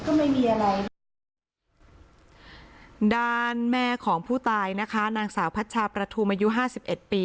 ก็ไม่มีอะไรด้านแม่ของผู้ตายนะคะนางสาวพัชชาประทุมอายุห้าสิบเอ็ดปี